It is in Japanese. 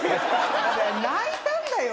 泣いたんだよ？